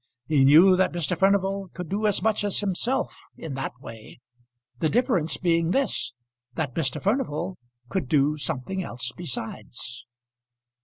He knew that Mr. Furnival could do as much as himself in that way; the difference being this, that Mr. Furnival could do something else besides.